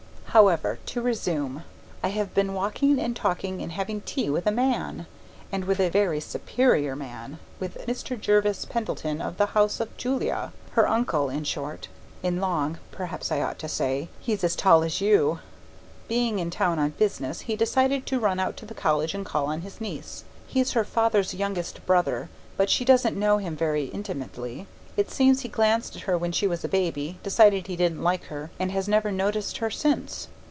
However to resume: I have been walking and talking and having tea with a man. And with a very superior man with Mr. Jervis Pendleton of the House of Julia; her uncle, in short (in long, perhaps I ought to say; he's as tall as you.) Being in town on business, he decided to run out to the college and call on his niece. He's her father's youngest brother, but she doesn't know him very intimately. It seems he glanced at her when she was a baby, decided he didn't like her, and has never noticed her since.